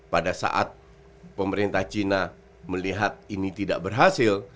pada saat pemerintah china melihat ini tidak berhasil